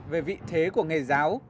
về vị thế của nghề giáo